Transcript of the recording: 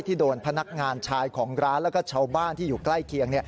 โดนพนักงานชายของร้านแล้วก็ชาวบ้านที่อยู่ใกล้เคียง